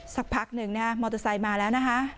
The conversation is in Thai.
สักพักหนึ่งนะฮะมอเตอร์ไซค์มาแล้วนะคะ